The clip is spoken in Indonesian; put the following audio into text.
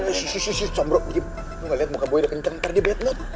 eh shh shh shh shh sombro diep lo gak liat muka boy udah kenceng ntar dia bad luck